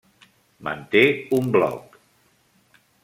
Manté un blog.